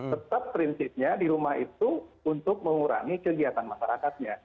tetap prinsipnya di rumah itu untuk mengurangi kegiatan masyarakatnya